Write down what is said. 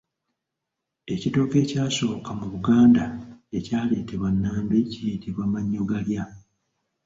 Ekitooke ekyasooka mu Buganda ekyaleetebwa Nnambi kiyitibwa mannyogalya.